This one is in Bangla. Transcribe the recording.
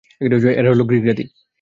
এরা হলো গ্রীক জাতি।